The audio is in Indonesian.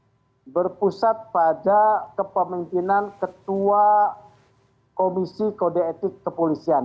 ini berpusat pada kepemimpinan ketua komisi kode etik kepolisian